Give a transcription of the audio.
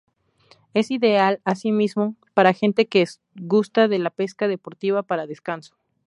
Es ideal asimismo para gente que gusta de la pesca deportiva, para descanso.